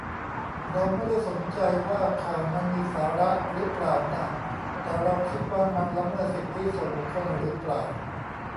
เราไม่ได้สนใจว่าข่าวมันมีสาระรึเปล่าน่ะ แต่เราคิดว่ามันละเมิดสิทธิส่วนบุคคลหรือเปล่า